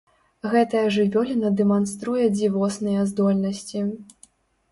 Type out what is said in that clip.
Гэтая жывёліна дэманструе дзівосныя здольнасці.